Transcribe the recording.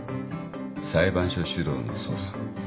裁判所主導の捜査。